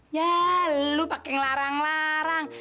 nyah lu pake ngelarang ngelarang